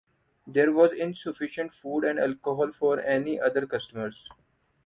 There was insufficient food and alcohol for any other customers.